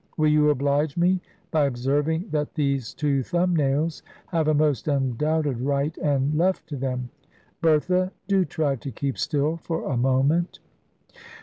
Will you oblige me by observing that these two thumb nails have a most undoubted right and left to them? Bertha, do try to keep still for a moment."